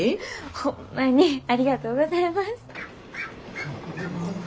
ホンマにありがとうございます。